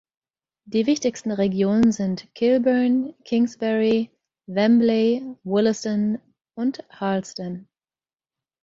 Die wichtigsten Regionen sind Kilburn, Kingsbury, Wembley, Willesden und Harlesden.